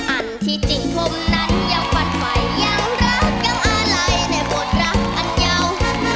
อันที่จริงผมนั้นยังฝันไฟยังรักกับอาลัยในบทรักอันยาว